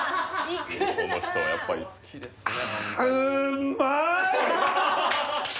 この人はやっぱり好きですね